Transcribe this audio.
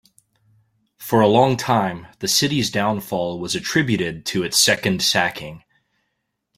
For a long time, the city's downfall was attributed to its second sacking.